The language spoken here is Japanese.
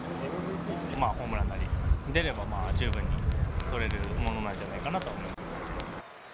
ホームランなり出れば、十分に取れるものなんじゃないかなと思い